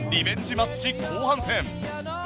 マッチ後半戦